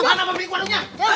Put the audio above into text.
mana pemilik warungnya